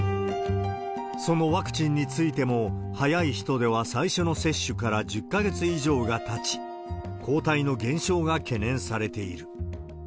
そのワクチンについても、早い人では最初の接種から１０か月以上がたち、抗体の減少が懸念されている。